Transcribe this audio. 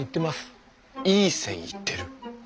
いい線いってる？